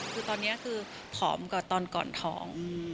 คือตอนนี้คือผอมกว่าตอนก่อนท้อง